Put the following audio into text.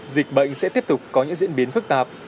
dịch bệnh sẽ tiếp tục có những diễn biến phức tạp